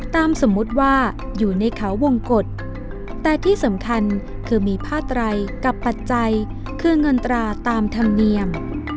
สมมุติว่าอยู่ในเขาวงกฎแต่ที่สำคัญคือมีผ้าไตรกับปัจจัยคือเงินตราตามธรรมเนียม